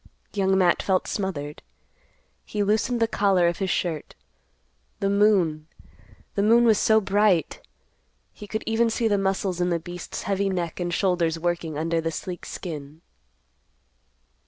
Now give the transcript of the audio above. Young Matt felt smothered. He loosened the collar of his shirt. The moon—the moon was so bright! He could even see the muscles in the beast's heavy neck and shoulders working under the sleek skin.